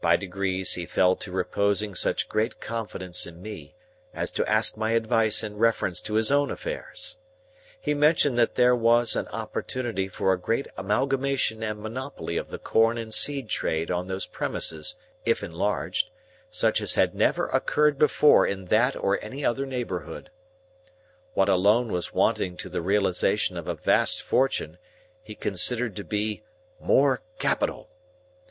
By degrees he fell to reposing such great confidence in me, as to ask my advice in reference to his own affairs. He mentioned that there was an opportunity for a great amalgamation and monopoly of the corn and seed trade on those premises, if enlarged, such as had never occurred before in that or any other neighbourhood. What alone was wanting to the realisation of a vast fortune, he considered to be More Capital.